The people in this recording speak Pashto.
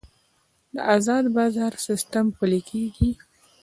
د ازاد بازار سیستم پلی کیږي